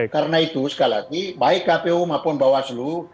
karena itu sekali lagi baik kpu maupun bawaslu